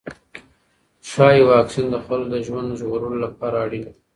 ښايي واکسین د خلکو د ژوند ژغورلو لپاره اړین وي.